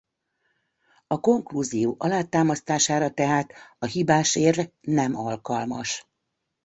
A konklúzió alátámasztására tehát a hibás érv nem alkalmas.